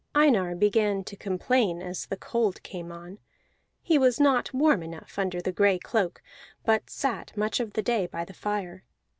Einar began to complain as the cold came on; he was not warm enough under the gray cloak, but sat much of the day by the fire.